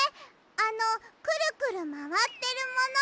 あのクルクルまわってるもの。